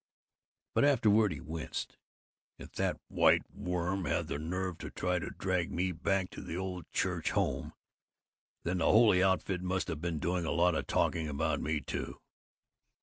But afterward he winced, "If that white worm had the nerve to try to drag me back to the Old Church Home, then the holy outfit must have been doing a lot of talking about me, too."